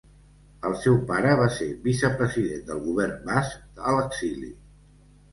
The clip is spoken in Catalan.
El seu pare va ser vicepresident del govern basc a l’exili.